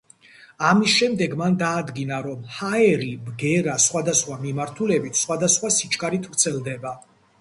ამის შემდეგ მან დაადგინა, რომ ჰაერი ბგერა სხვადასხვა მიმართულებით სხვადასხვა სიჩქარით ვრცელდება.